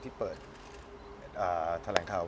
ที่เปิดแทนแหลงค์เค้า